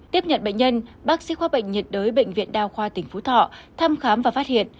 tiếp nhận bệnh nhân bác sĩ khoa bệnh nhiệt đới bệnh viện đa khoa tỉnh phú thọ thăm khám và phát hiện